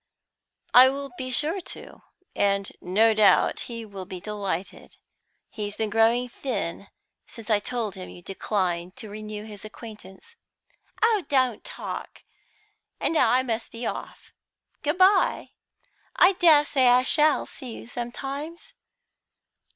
"I will be sure to, and no doubt he will be delighted. He's been growing thin since I told him you declined to renew his acquaintance." "Oh, don't talk! And now I must be off. Good bye. I dessay I shall see you sometimes?"